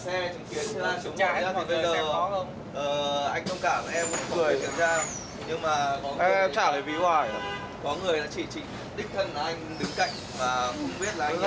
em chỉ định là anh đứng cạnh gần nhất rồi